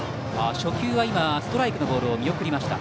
初球はストライクのボールを見送りました。